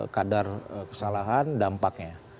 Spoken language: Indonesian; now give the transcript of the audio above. kadar kesalahan dampaknya